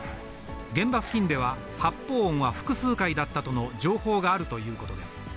現場付近では、発砲音は複数回だったとの情報があるということです。